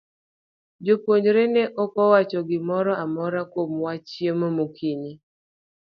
Jopuonjre ne ok owacho gimoro amora kuom wach chiemo mokinyi.